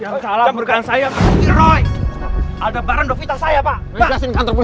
yang salah bukan saya roy aldebaran udah vital saya pak